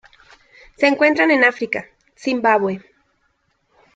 Se encuentran en África: Zimbabue.